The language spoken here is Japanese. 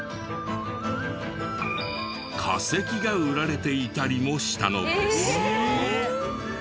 化石が売られていたりもしたのです。